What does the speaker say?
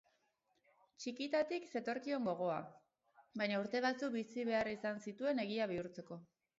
Txikitatik zetorkion gogoa, baina urte batzuk bizi behar izan zituen egia bihurtzeko.